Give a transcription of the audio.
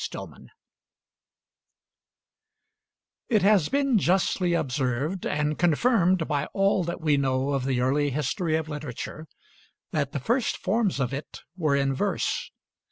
STILLMAN It has been justly observed, and confirmed by all that we know of the early history of literature, that the first forms of it were in verse.